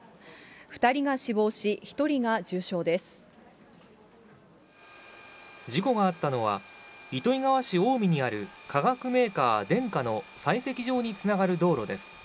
２人が死亡し、事故があったのは、糸魚川市青海にある化学メーカー、デンカの採石場につながる道路です。